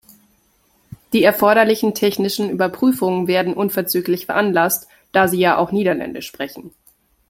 Die erforderlichen technischen Überprüfungen werden unverzüglich veranlasst, da Sie ja auch niederländisch sprechen.